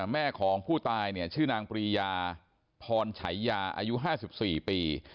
แม่ของผู้ตายเนี่ยชื่อนางปรียาพรไฉยาอายุห้าสิบสี่ปี